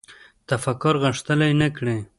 تفکر غښتلی نه کړي